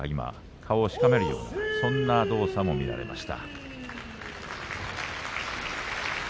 顔をしかめるようなそんな動作も見られました。